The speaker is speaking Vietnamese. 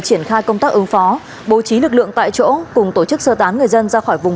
triển khai công tác ứng phó bố trí lực lượng tại chỗ cùng tổ chức sơ tán người dân ra khỏi vùng